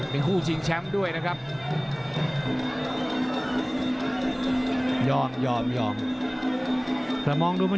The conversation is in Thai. เป็นพูดจีนช้ำด้วยนะครับ